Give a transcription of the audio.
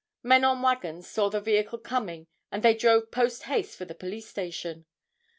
Men on wagons saw the vehicle coming and they drove post haste for the police station.